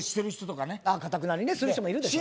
かたくなにねする人もいるでしょ